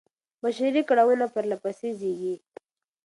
بشري کړاوونه پرله پسې زېږي.